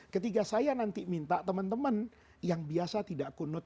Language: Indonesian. ketika saya nanti minta teman teman yang biasa tidak kunud